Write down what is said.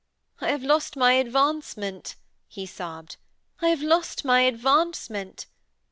'I have lost my advancement,' he sobbed. 'I have lost my advancement.'